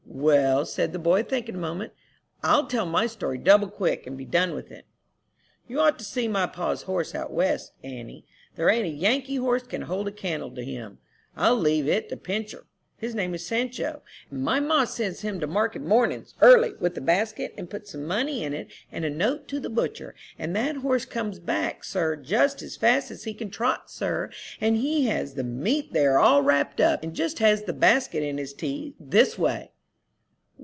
"Well," said the boy, thinking a moment, "I'll tell my story double quick, and be done with it." "You'd ought to see my pa's horse out West, auntie; there ain't a Yankee horse can hold a candle to him; I'll leave it to Pincher. His name is Sancho, and my ma sends him to market mornings, early, with the basket, and puts some money in, and a note to the butcher, and that horse comes back, sir, just as fast as he can trot, sir, and he has the meat there all wrapped up, and just has the basket in his teeth, this way."